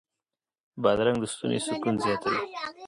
بادرنګ د ستوني سکون زیاتوي.